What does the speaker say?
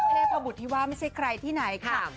เทพบุตรที่ว่าไม่ใช่ใครที่ไหนค่ะ